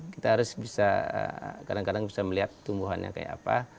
kita harus bisa kadang kadang bisa melihat tumbuhannya kayak apa